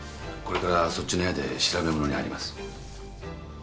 これからそっちの部屋で調べものに入ります。